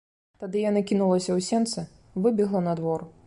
Тады яна кінулася ў сенцы, выбегла на двор.